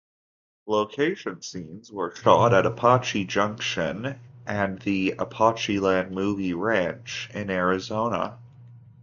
Location scenes were shot at Apache Junction and the Apacheland Movie Ranch in Arizona.